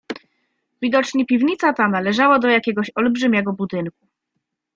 "Widocznie piwnica ta należała do jakiegoś olbrzymiego budynku."